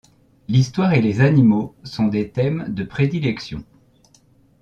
L'histoire et les animaux sont des thèmes de prédilection.